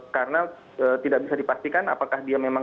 karena tidak bisa dipastikan apakah dia memang